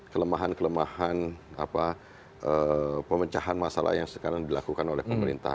kelemahan kelemahan pemecahan masalah yang sekarang dilakukan oleh pemerintah